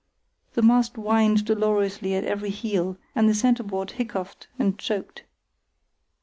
The mast whined dolorously at every heel, and the centreboard hiccoughed and choked.